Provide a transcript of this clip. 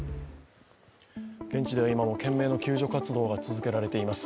現地では今も懸命の救助活動が続けられています。